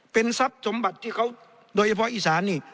เป็นทรัพย์สมบัติที่เขาโดยเฉพาะอีสานนี่